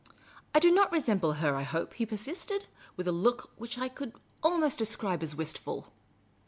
" I do not resemble her, I hope," he persisted, with a look which I could almost describe as wistful.